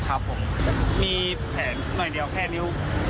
ครับผมมีแผลใหม่เดียวแค่นิ้ว